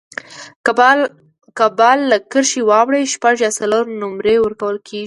که بال له کرښي واوړي، شپږ یا څلور نومرې ورکول کیږي.